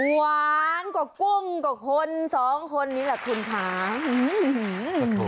หวานกว่ากุ้งกว่าคนสองคนนี้แหละคุณค่ะ